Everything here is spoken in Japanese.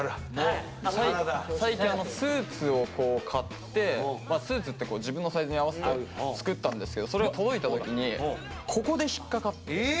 最近スーツを買ってスーツって自分のサイズに合わせて作ったんですけどそれが届いた時にここで引っ掛かって。